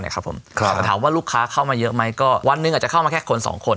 แต่ถามว่าลูกค้าเข้ามาเยอะไหมก็วันหนึ่งอาจจะเข้ามาแค่คนสองคน